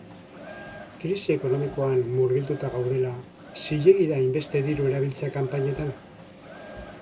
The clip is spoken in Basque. Krisi ekonomikoan murgilduta gaudela, zilegi da hainbeste diru erabiltzea kanpainetan?